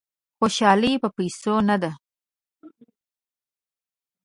خوشالي په پیسو نه ده.